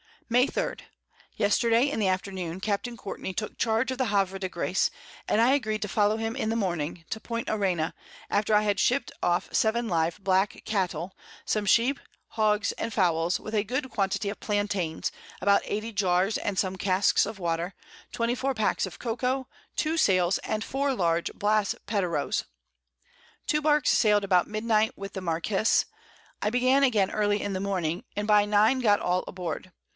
[Sidenote: At Guiaquil.] May 3. Yesterday in the Afternoon Capt. Courtney took Charge of the Havre de Grace, and I agreed to follow him in the Morning, to Point Arena, after I had ship'd off 7 live Black Cattel, some Sheep, Hogs and Fowls, with a good Quantity of Plantains, about 80 Jarrs and some Casks of Water, 24 Packs of Cocoa, 2 Sails, and 4 large Brass Patereroes. Two Barks sail'd about Midnight with the Marquiss. I began again early in the Morning, and by 9 got all aboard.